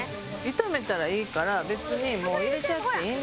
炒めたらいいから別にもう入れちゃっていいんだよ。